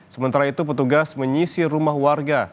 sementara itu petugas menyisir rumah warga